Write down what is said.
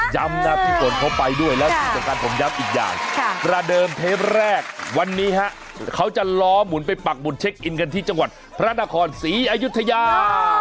ย้ำนะพี่ฝนเขาไปด้วยแล้วที่สำคัญผมย้ำอีกอย่างประเดิมเทปแรกวันนี้ฮะเขาจะล้อหมุนไปปักหุ่นเช็คอินกันที่จังหวัดพระนครศรีอยุธยา